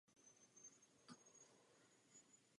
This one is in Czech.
Jinými slovy, povstalci, podporovaní Súdánem, přišli z Dárfúru.